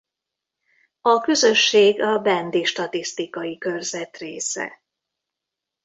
A közösség a bendi statisztikai körzet része.